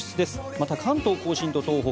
また、関東・甲信と東北